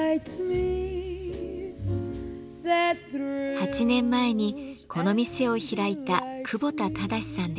８年前にこの店を開いた久保田直さんです。